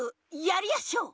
やりやしょう！